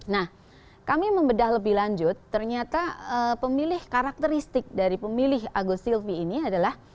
nah kami membedah lebih lanjut ternyata pemilih karakteristik dari pemilih agus silvi ini adalah